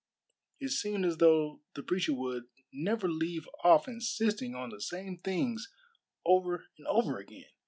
It seemed as though the preacher would never leave off insisting on the same things over and over again.